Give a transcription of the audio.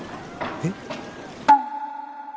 えっ？